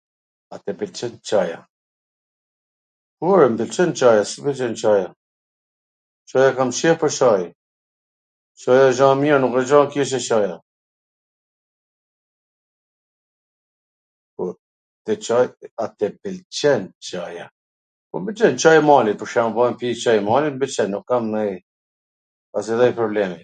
A tw pwlqen Caja? Po, ore, mw pwlqen Caja, si s mw pwlqen Caja, Caja e kam qef pwr Caj, Caja asht gja e mir, nuk asht gja e keqe Caja... A tw pwlqen Caja? Po, Caji i malit, pwr shembul, me pi Cajin e malit, m pwlqen, nuk nanji as edhe njw lloj problemi.